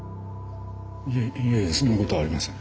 いえいやいやそんなことはありません。